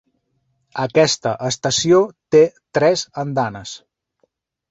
Aquesta estació té tres andanes.